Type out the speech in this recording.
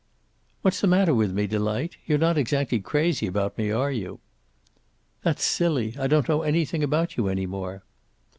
"What's the matter with me, Delight? You're not exactly crazy about me, are you?" "That's silly. I don't know anything about you any more."